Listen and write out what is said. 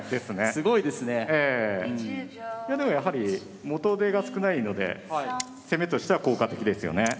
いやでもやはり元手が少ないので攻めとしては効果的ですよね。